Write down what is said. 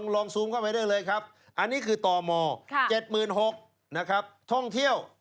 ลองซูมเข้าไปด้วยเลยครับอันนี้คือต่อมอเจ็ดหมื่นหกนะครับท่องเที่ยว